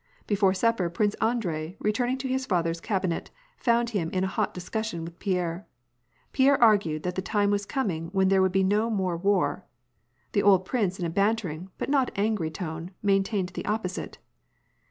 Before supper. Prince Andrei, returning to his father's cab inet, found him in a hot discussion with Pierre. Pierre argued that the time was coming when there would be no more war. The old prince in a bantering but not angry tone maintained the opposite.